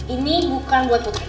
ini bukan buat putri